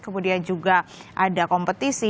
kemudian juga ada kompetisi